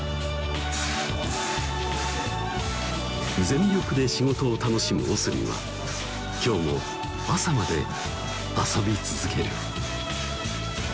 全力で仕事を楽しむＯＳＲＩＮは今日も朝まで遊び続ける